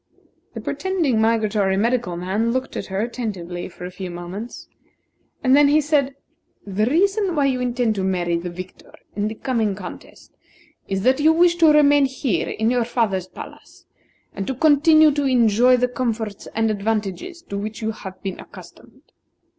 The pretending migratory medical man looked at her attentively for a few moments, and then he said: "The reason why you intend to marry the victor in the coming contest, is that you wish to remain here in your father's palace, and to continue to enjoy the comforts and advantages to which you have been accustomed."